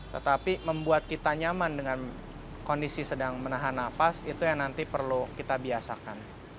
tetapi membuat kita nyaman dengan kondisi sedang menahan nafas itu yang nanti perlu kita biasakan